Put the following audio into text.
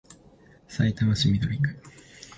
さいたま市緑区